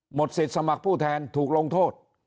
หมดเสร็จสมัครผู้แทนถูกลงโทษ